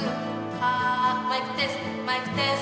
ああマイクテスマイクテス。